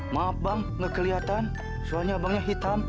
maaf bang gak kelihatan soalnya abangnya hitam